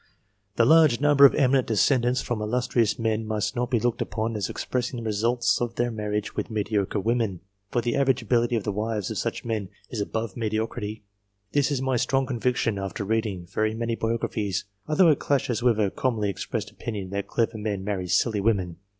The large number of eminent descendants from illus trious men must not be looked upon as expressing the results of their marriage with mediocre women, for_jthe_ averageability of the wives of such men is above TYiedio cjdij. vThis is my strong conviction, after reading very many biographies, although it clashes with a commonly expressed opinion that clever men marry silly women.